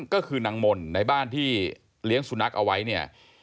ก็คือนางมนต์ในบ้านที่เลี้ยงสุนัขเอาไว้เนี่ย